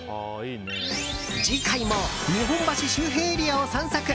次回も日本橋周辺エリアを散策。